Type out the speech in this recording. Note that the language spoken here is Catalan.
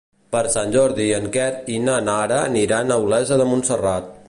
Per Sant Jordi en Quer i na Nara aniran a Olesa de Montserrat.